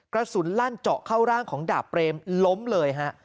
กระสุนลั่นเจาะเข้าร่างของดาบเปรมล้มเลยฮะ